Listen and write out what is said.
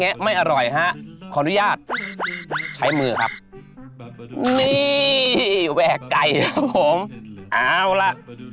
ไม่อร่อยฮะขออนุญาตใช้มือครับนี่แหวกไก่ครับผมเอาล่ะ